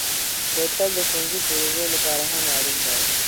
بوتل د ښوونځي پروژو لپاره هم اړین دی.